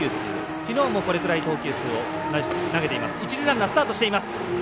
きのうもこれくらいの投球数を投げています。